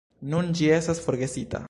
Nun ĝi estas forgesita.